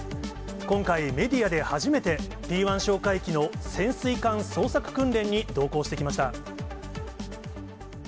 今回、メディアで初めて、Ｐー１哨戒機の潜水艦捜索訓練に同行してきました。